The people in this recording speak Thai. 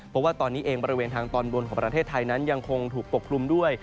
เพราะว่าตอนนี้เองบริเวณทางตอนบนของประเทศไทยนั้นยังคงถูกปกคลุมด้วย